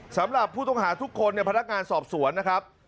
สำหรับผู้ต้องหาทุกคนในพนักงานสอบสวนนะครับ